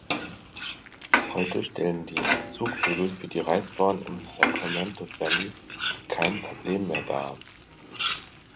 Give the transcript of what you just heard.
Heute stellen die Zugvögel für die Reisbauern im Sacramento Valley kein Problem mehr dar.